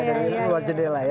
dari luar jendela ya